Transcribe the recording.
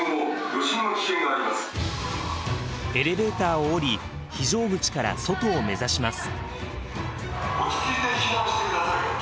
エレベーターを降り非常口から外を目指します。